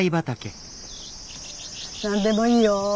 何でもいいよ。